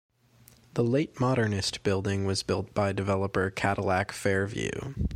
The late-Modernist building was built by developer Cadillac Fairview.